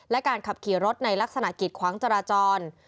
และการขับขี่รถในลักษณะกิจขวางจราจร